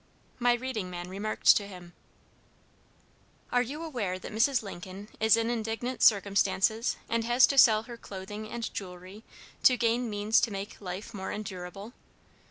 My reading man remarked to him: "'Are you aware that Mrs. Lincoln is in indigent circumstances, and has to sell her clothing and jewelry to gain means to make life more endurable?'